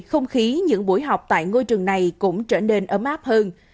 không khí những buổi học tại ngôi trường này cũng trở nên ấm áp hơn